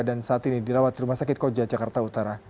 saat ini dirawat di rumah sakit koja jakarta utara